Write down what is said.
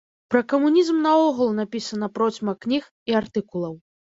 Пра камунізм наогул напісана процьма кніг і артыкулаў.